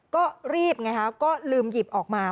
ก็รีบไงฮะก็ลืมหยิบออกมา